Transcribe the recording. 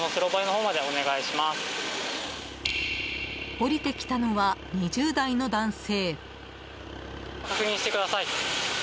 降りてきたのは２０代の男性。